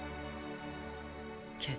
けど。